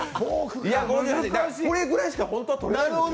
これぐらいしか本当は取れないんですよ。